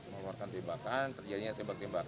mengeluarkan tembakan terjadinya tembak tembak